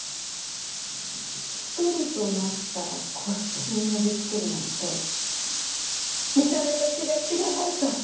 １人となったら個室に呼びつけるなんて見た目と違ってやばい人？